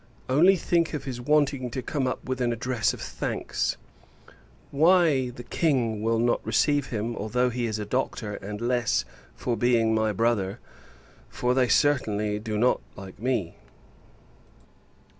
Only think of his wanting to come up with an address of thanks! Why, [the] King will not receive him, although he is a Doctor; and less, for being my brother for, they certainly do not like me.